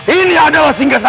ini adalah singgah sanaku